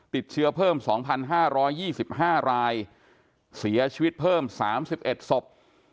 ติดเชื้อเพิ่ม๒๕๒๕รายเสียชีวิตเพิ่ม๓๑ศพ